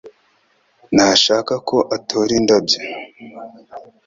Ntashaka ko atora indabyo